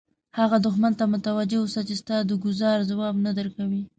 هغه دښمن ته متوجه اوسه چې ستا د ګوزار ځواب نه درکوي.